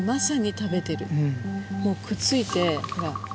くっついてほら。